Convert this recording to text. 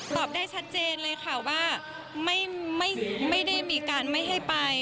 ตอบได้ชัดเจนเลยค่ะว่าไม่ได้มีการไม่ให้ไป